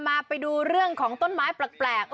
มาดูเรื่องของต้นไม้แปลก